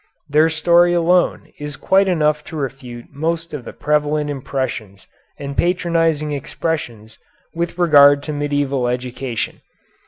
Their story alone is quite enough to refute most of the prevalent impressions and patronizing expressions with regard to medieval education.